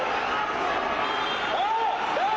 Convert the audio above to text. กลับตรงนั้นนะครับ